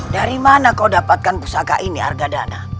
dari mana kau dapatkan pusaka ini argadana